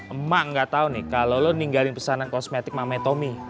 emak gak tau nih kalau lo ninggalin pesanan kosmetik mamen tommy